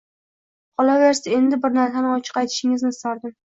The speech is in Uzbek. Qolaversa, endi bir narsani ochiq aytishingizni istardim